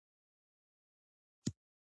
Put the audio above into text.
خپل فکر ښکلی کړئ